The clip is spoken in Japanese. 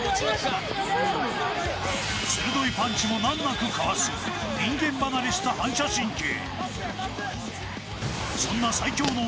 鋭いパンチも難なくかわす、人間離れした反射神経。